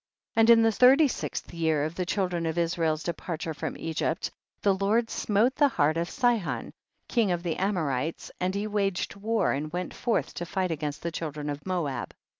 14. And in the thirty sixth year of the children of Israel's departure from Egypt the Lord smote the heart of Sihon, king of the Amorites, and he waged war, and went forth to fight against the children of Moab.